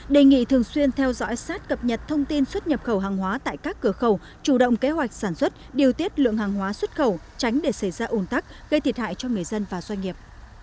đề nghị thường xuyên theo dõi sát cập nhật thông tin xuất nhập khẩu hàng hóa tại các cửa khẩu chủ động kế hoạch sản xuất điều tiết lượng hàng hóa xuất khẩu tránh để xảy ra ồn tắc gây thiệt hại cho người dân và doanh nghiệp